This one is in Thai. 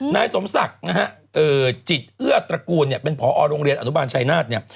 นายสมศักดิ์จิตเอื้อตระกูลเป็นผอโรงเรียนอนุบาลชัยนาธิ์